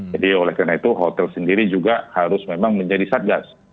jadi oleh karena itu hotel sendiri juga harus memang menjadi satgas